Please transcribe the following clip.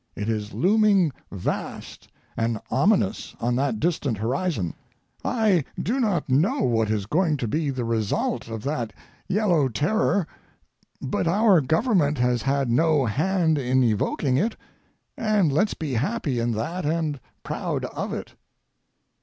It is looming vast and ominous on that distant horizon. I do not know what is going to be the result of that Yellow Terror, but our government has had no hand in evoking it, and let's be happy in that and proud of it.